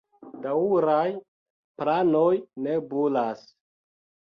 Daŭraj planoj nebulas.